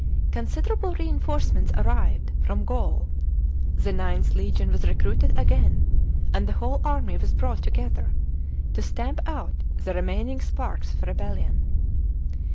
Considerable reinforcements arrived from Gaul ; the IXth legion was recruited again ; and the whole army was brought together to stamp out the remaining sparks of re bellion.